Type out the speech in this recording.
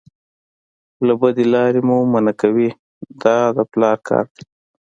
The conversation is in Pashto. له بدې لارې مو منع کوي دا د پلار کار دی.